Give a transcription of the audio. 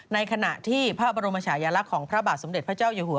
ในขณะที่พระบรมชายลักษณ์ของพระบาทสมเด็จพระเจ้าอยู่หัว